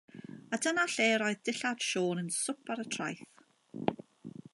A dyna lle yr oedd dillad Siôn yn swp ar y traeth.